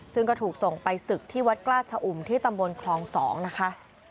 ซึ่งก็ถูกส่งไปศึกที่วัดกล้าชะอุ่มที่ตำบลคลอง๒นะคะ